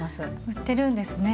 売ってるんですね。